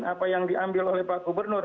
apa yang diambil oleh pak gubernur